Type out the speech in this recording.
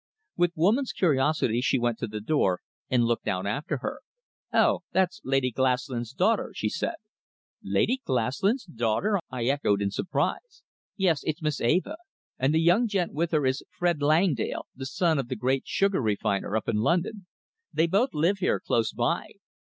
With woman's curiosity she went to the door and looked out after her. "Oh, that's Lady Glaslyn's daughter," she said. "Lady Glaslyn's daughter!" I echoed in surprise. "Yes, it's Miss Eva, and the young gent with her is Fred Langdale, the son of the great sugar refiner up in London. They both live here, close by.